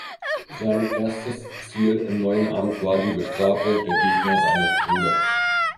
Sein erstes Ziel im neuen Amt war die Bestrafung der Gegner seines Bruders.